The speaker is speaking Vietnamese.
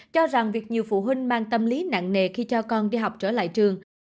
cho rằng việc nhiều phụ huynh mang tâm lý nặng nề khi cho con đi học trở lại trường